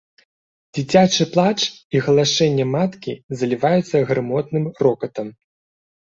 Дзіцячы плач і галашэнне маткі заліваюцца грымотным рокатам.